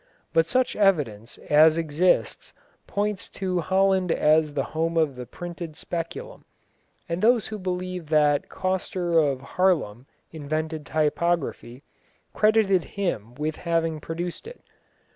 But such evidence as exists points to Holland as the home of the printed Speculum, and those who believe that Coster of Haarlem invented typography, credit him with having produced it.